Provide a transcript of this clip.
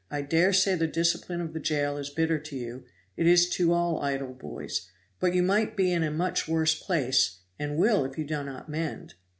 I dare say the discipline of the jail is bitter to you, it is to all idle boys; but you might be in a much worse place and will if you do not mend."